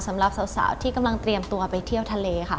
สำหรับสาวที่กำลังเตรียมตัวไปเที่ยวทะเลค่ะ